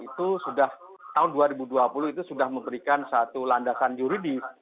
itu sudah tahun dua ribu dua puluh itu sudah memberikan satu landasan juridis